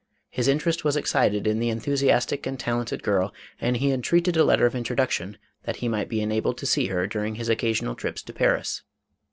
His interest was excited in the enthusiastic and talented girl, and he entreated a letter of intro duction, that he might be enabled to see her during his occasional trips to Paris.